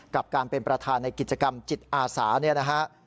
กับการเป็นประธานในกิจกรรมจิตอาสาเนี่ยนะฮะ